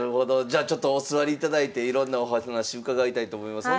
じゃあちょっとお座りいただいていろんなお話伺いたいと思います。